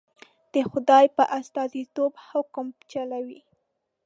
د خدای په استازیتوب حکم چلوي.